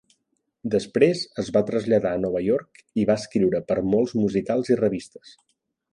Després es va traslladar a Nova York, i va escriure per molts musicals i revistes.